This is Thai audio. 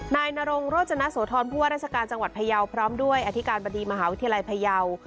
นายนรงโรจนโสธรผู้ว่าราชการจังหวัดพยาวพร้อมด้วยอธิการบดีมหาวิทยาลัยพยาว